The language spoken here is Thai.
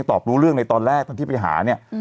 ตอบรู้เรื่องในตอนแรกตอนที่ไปหาเนี่ย